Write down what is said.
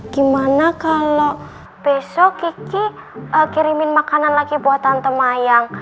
gimana kalau besok kiki kirimin makanan lagi buat tante mayang